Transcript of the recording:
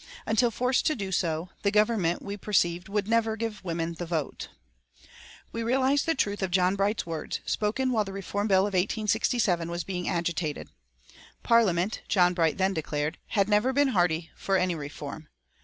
Until forced to do so, the Government, we perceived, would never give women the vote. We realised the truth of John Bright's words, spoken while the reform bill of 1867 was being agitated. Parliament, John Bright then declared, had never been hearty for any reform.